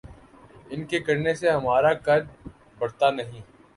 ان کے کرنے سے ہمارا قد بڑھتا نہیں۔